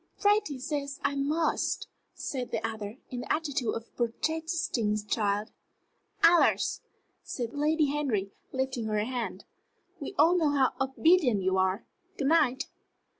"Freddie says I must," said the other, in the attitude of a protesting child. "Alors!" said Lady Henry, lifting her hand. "We all know how obedient you are. Good night!"